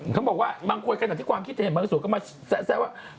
เขาบอกว่าบางคนขนาดที่ความคิดเห็นบางส่วนก็มาแซะว่า